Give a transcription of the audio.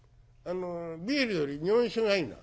ビールより日本酒がいいな。